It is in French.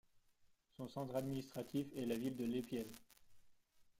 Son centre administratif est la ville de Lepiel.